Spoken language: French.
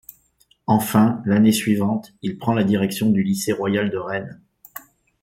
Enfin, l'année suivante, il prend la direction du lycée royal de Rennes.